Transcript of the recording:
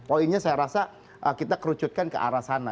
poinnya saya rasa kita kerucutkan ke arah sana